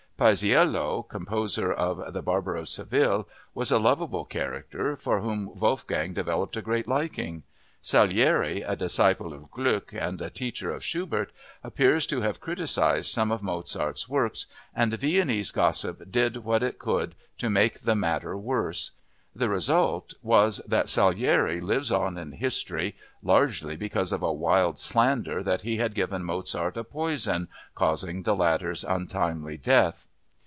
Paisiello, composer of The Barber of Seville, was a lovable character for whom Wolfgang developed a great liking. Salieri, a disciple of Gluck and a teacher of Schubert, appears to have criticized some of Mozart's works, and Viennese gossip did what it could to make the matter worse. The result was that Salieri lives on in history largely because of a wild slander that he had given Mozart a poison causing the latter's untimely death!